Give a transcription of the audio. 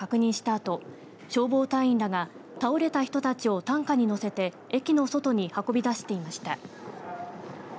あと消防隊員らが倒れた人たちを担架に乗せて駅の外に運び出していました。